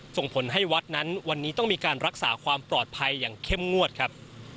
ส่งผลให้วัดนั้นวันนี้ต้องมีการรักษาความปลอดภัยอย่างเข้มงวดครับ